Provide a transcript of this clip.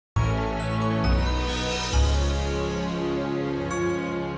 kau telah membuat konaran di sini